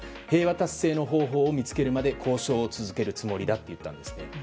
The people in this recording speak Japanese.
平和達成の方法を見つけるまで交渉を続けるつもりだと言ったんですね。